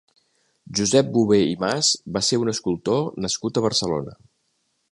Josep Bover i Mas va ser un escultor nascut a Barcelona.